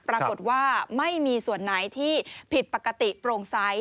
ปรากฏว่าไม่มีส่วนไหนที่ผิดปกติโปร่งใส